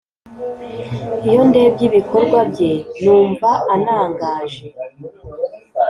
iyo ndebye ibikorwa bye numva anangaje pe